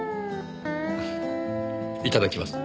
いただきます。